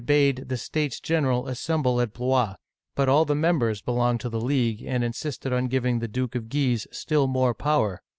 bade the States General assemble at Blois; but all the members belonged to the League, and insisted on giving the Duke of Guise still more power.